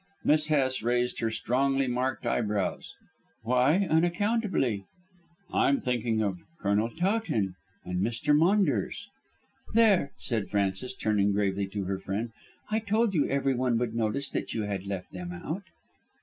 Miss Hest raised her strongly marked eyebrows. "Why unaccountably?" "I am thinking of Colonel Towton and Mr. Maunders." "There," said Frances, turning gravely to her friend, "I told you everyone would notice that you had left them out."